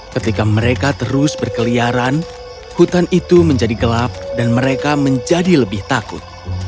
ketika mereka terus berkeliaran hutan itu menjadi gelap dan mereka menjadi lebih takut